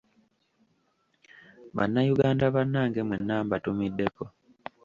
Bannayuganda bannange mwenna mbatumiddeko.